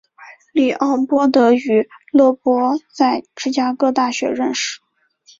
李奥波德与勒伯在芝加哥大学认识。